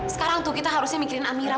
sekarang tuh kita harusnya mikirin amira